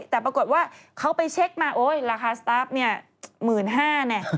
แต่ปรากฏว่าเขาไปเช็คมาโอ๊ยราคาสตาร์ฟเนี่ย๑๕๐๐เนี่ย